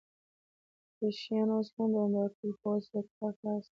اتریشیان اوس هم بمبار کوي، خو اوس یې کار خلاص دی.